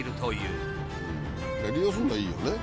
利用するのはいいよね。